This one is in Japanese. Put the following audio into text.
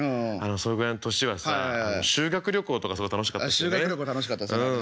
それぐらいの年はさ修学旅行とかすごい楽しかったですよね。